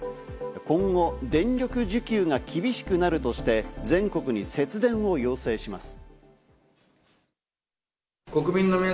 今後、電力需給が厳しくなるとして全国に節電を要請します。